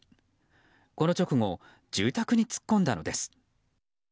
この直後住宅に突っ込んだのです。